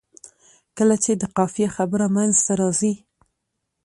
کله چې د قافیې خبره منځته راځي.